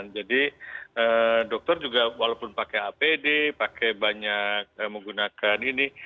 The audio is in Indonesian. jadi dokter juga walaupun pakai apd pakai banyak menggunakan ini